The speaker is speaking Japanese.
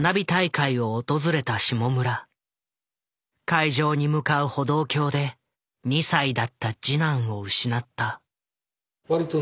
会場に向かう歩道橋で２歳だった次男を失った。